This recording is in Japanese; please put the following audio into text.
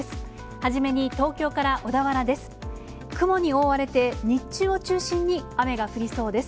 初めに東京から小田原です。